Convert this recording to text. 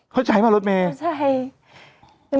เขาใช้มารถเมล์